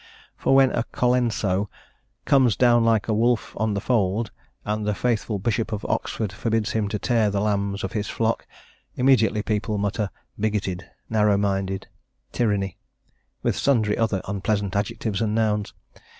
For when a Colenso "comes down like a wolf on the fold," and a faithful Bishop of Oxford forbids him to tear the lambs of his flock, immediately people mutter "bigoted," "narrow minded," "tyranny," with sundry other unpleasant adjectives and nouns.